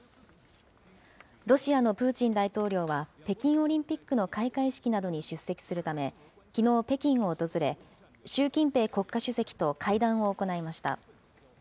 ロシアのプーチン大統領は北京オリンピックの開会式などに出席するため、きのう北京を訪れ、習近平国家主席と会談を行いました。